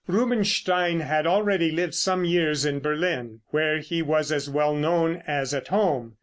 Rubinstein had already lived some years in Berlin, where he was as well known as at home.